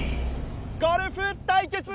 ゴルフ対決！